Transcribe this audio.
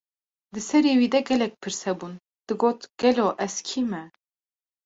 Di serê wî de gelek pirs hebûn, digot: Gelo, ez kî me?